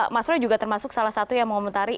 mas roy juga termasuk salah satu yang mengomentari